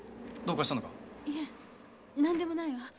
いえ何でもないわ。